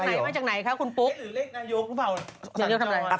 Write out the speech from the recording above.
หรือเลขนายกรรมหรือเปล่าสั่งจรรย์ว่า